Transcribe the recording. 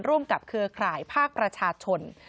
กับเครือข่ายภาคประชาชน